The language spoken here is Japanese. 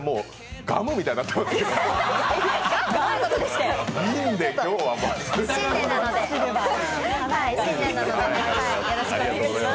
ガムみたいになってます。